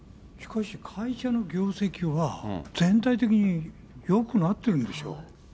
しかし、会社の業績は全体的によくなってるんでしょ？